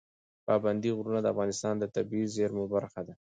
پابندی غرونه د افغانستان د طبیعي زیرمو برخه ده.